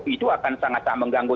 itu akan sangat sangat mengganggu